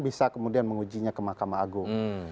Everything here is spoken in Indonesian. bisa kemudian mengujinya ke mahkamah agung